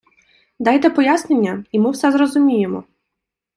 Дайте пояснення і ми все зрозуміємо!